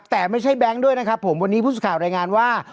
แต่ไม่ใช่แบงค์ด้วยนะครับผมวันนี้ผู้สื่อข่าวรายงานว่า